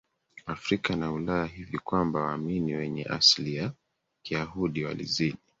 Afrika na Ulaya hivi kwamba waamini wenye asili ya Kiyahudi walizidi